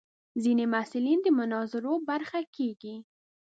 ځینې محصلین د مناظرو برخه کېږي.